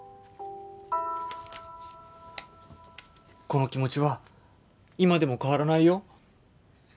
この気持ちは今でも変わらないよ